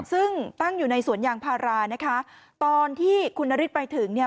ซึ่งตั้งอยู่ในสวนยางพารานะคะตอนที่คุณนฤทธิไปถึงเนี่ย